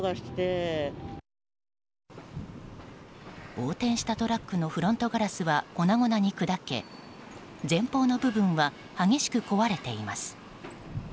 横転したトラックのフロントガラスは粉々に砕け前方の部分は激しく壊れています。